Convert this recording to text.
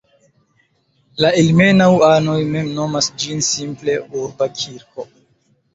La ilmenau-anoj mem nomas ĝin simple "Urba kirko".